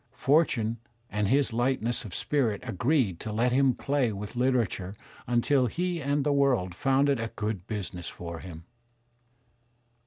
Fortune and his lightness of spirit agreed to let him play with litera ture until he and the world found it a good business for him.